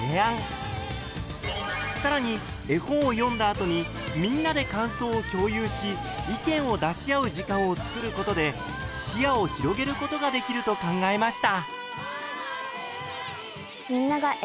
更に絵本を読んだ後にみんなで感想を共有し意見を出し合う時間をつくることで視野を広げることができると考えました。